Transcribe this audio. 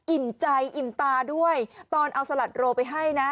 ใจอิ่มตาด้วยตอนเอาสลัดโรไปให้นะ